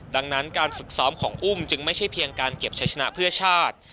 ดังนั้นการฝึกซ้อมของอุ้มจึงไม่ใช่เพียงการเก็บใช้ชนะเพื่อชาติ